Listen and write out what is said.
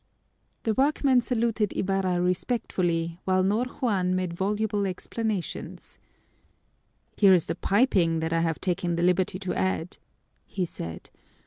The workmen saluted Ibarra respectfully, while Ñor Juan made voluble explanations. "Here is the piping that I have taken the liberty to add," he said.